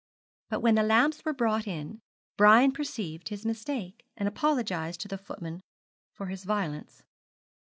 But when the lamps were brought in, Brian perceived his mistake, and apologised to the footman for his violence.